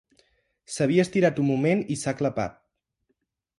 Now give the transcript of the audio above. S'havia estirat un moment i s'ha clapat.